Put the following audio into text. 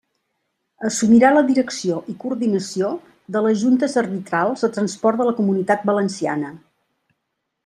Assumirà la direcció i coordinació de les juntes arbitrals de transport de la Comunitat Valenciana.